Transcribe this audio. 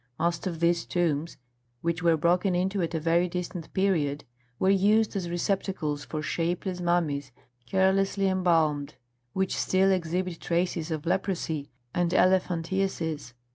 Most of these tombs, which were broken into at a very distant period, were used as receptacles for shapeless mummies carelessly embalmed, which still exhibit traces of leprosy and elephantiasis.